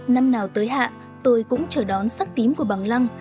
năm nào tới hạ tôi cũng chờ đón sắc tím của bằng lăng